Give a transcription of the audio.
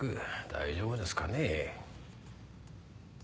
大丈夫ですかね？